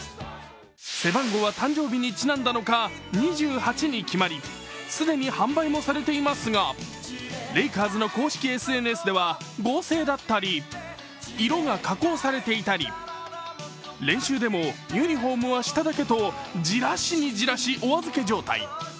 背番号は誕生日にちなんだのか２８に決まり、既に販売もされていますが、レイカーズの公式ＳＮＳでは合成だったり色が加工されていたり、練習でもユニフォームは下だけとじらしにじらしおあずけ状態。